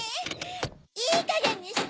いいかげんにして！